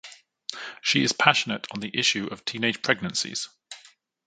She is passionate on the issue of teenage pregnancies.